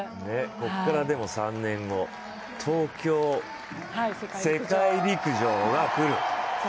ここから、でも３年後、東京・世界陸上が来る。